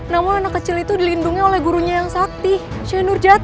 namun anak kecil itu dilindungi oleh gurunya yang sakti syenur jati